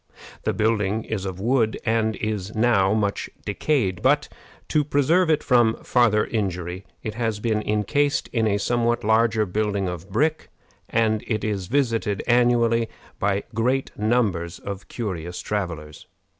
The building is of wood, and is now much decayed; but, to preserve it from farther injury, it has been incased in a somewhat larger building of brick, and it is visited annually by great numbers of curious travelers.